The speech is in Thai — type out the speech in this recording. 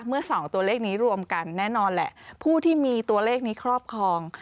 เมื่อสองตัวเลขนี้รวมกันแน่นอนแหละผู้ที่มีตัวเลขนี้ครอบครอง